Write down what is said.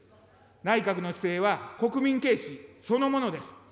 内閣の姿勢は国民軽視そのものです。